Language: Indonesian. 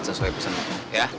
sesuai pesan gue ya